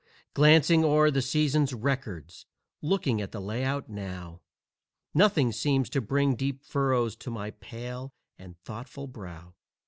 Glancing o'er the season's records, looking at the layout now, Nothing seems to bring deep furrows to my pale and thoughtful brow.